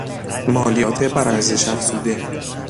مالیات بر ارزش افزوده